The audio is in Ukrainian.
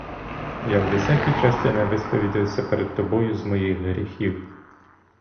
Я в десятій часті не висповідався перед тобою з моїх гріхів.